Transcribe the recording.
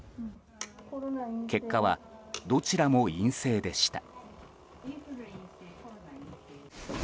結果は、どちらも陰性でした。